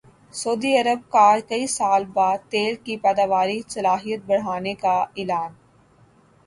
سعودی عرب کا کئی سال بعد تیل کی پیداواری صلاحیت بڑھانے کا اعلان